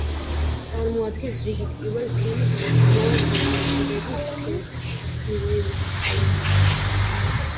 წარმოადგენს რიგით პირველ ფილმს ამავე სახელწოდების ფრენჩაიზიდან.